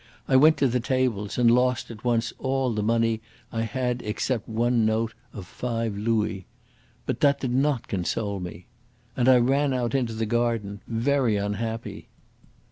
I went to the tables and lost at once all the money I had except one note of five louis. But that did not console me. And I ran out into the garden, very unhappy.